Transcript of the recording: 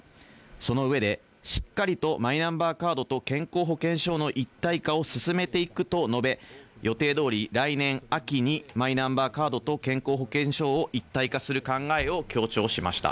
その上で、しっかりとマイナンバーカードと健康保険証の一体化を進めていくと述べ、予定どおり来年秋に、マイナンバーカードと健康保険証を一体化する考えを強調しました。